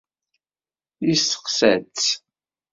Yesteqsa-tt.